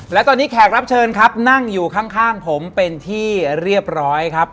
และตอนนี้แขกรับเชิญครับนั่งอยู่ข้างผมเป็นที่เรียบร้อยครับ